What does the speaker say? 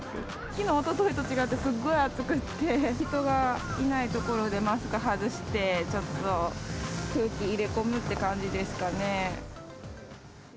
きのう、おとといと違って、すっごい暑くて、人がいない所でマスク外して、ちょっと空気入れ込むって感じですかね。